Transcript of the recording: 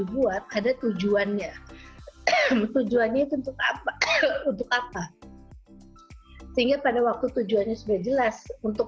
buat ada tujuannya tujuannya itu untuk apa untuk apa sehingga pada waktu tujuannya sudah jelas untuk